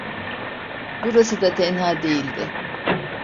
Burası da tenha değildi.